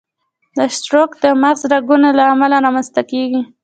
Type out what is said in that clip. د سټروک د مغز رګونو له امله رامنځته کېږي.